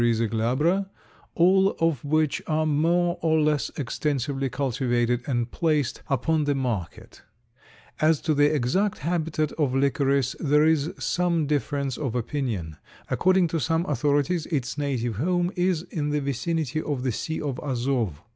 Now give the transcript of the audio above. glabra_, all of which are more or less extensively cultivated and placed upon the market. As to the exact habitat of licorice there is some difference of opinion. According to some authorities its native home is in the vicinity of the sea of Azov.